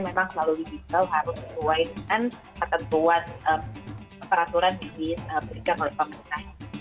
memang selalu dikisah harus disesuaikan ketentuan peraturan yang diberikan oleh pemerintah